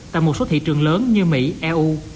tại một số thị trường lớn như mỹ eu